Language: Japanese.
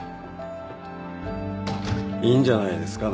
いいんじゃないですか